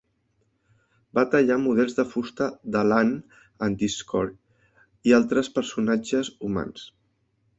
"Va tallar models de fusta de l'Ann, en Driscoll i altres personatges humans."